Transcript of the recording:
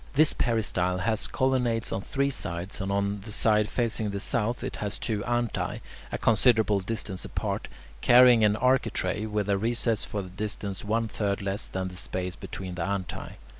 This peristyle has colonnades on three sides, and on the side facing the south it has two antae, a considerable distance apart, carrying an architrave, with a recess for a distance one third less than the space between the antae.